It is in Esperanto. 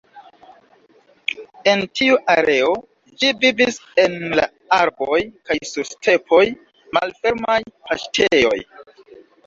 En tiu areo, ĝi vivis en la arboj kaj sur stepoj, malfermaj paŝtejoj.